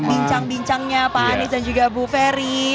bincang bincangnya pak anies dan juga bu ferry